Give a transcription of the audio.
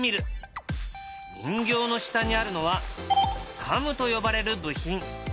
人形の下にあるのは「カム」と呼ばれる部品。